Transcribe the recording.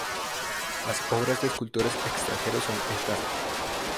Las obras de escultores extranjeros son escasas.